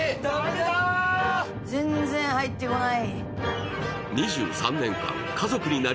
全然入ってこない。